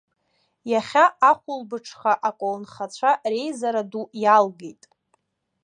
Иахьа ахәылбыҽха аколнхацәа реизара ду иалгеит.